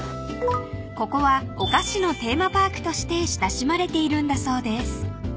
［ここはお菓子のテーマパークとして親しまれているんだそうです］